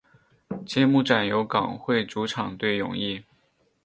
揭幕战由港会主场对永义。